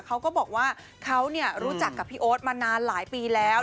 เขาก็บอกว่าเขารู้จักกับพี่โอ๊ตมานานหลายปีแล้ว